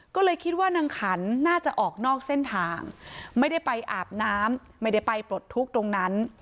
ก็เลยคิดว่านางขันน่าจะออกนอกเส้นทางไม่ได้ไปอาบน้ำไม่ได้ไปปลดทุกข์ตรงนั้น